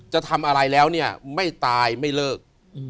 จะทำอะไรแล้วเนี่ยไม่ตายไม่เลิก